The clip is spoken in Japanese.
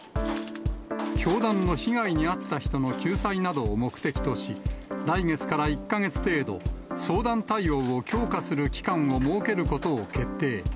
教団の被害に遭った人の救済などを目的とし、来月から１か月程度、相談対応を強化する期間を設けることを決定。